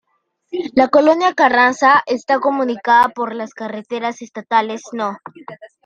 La Colonia Carranza está comunicada por las carreteras estatales No.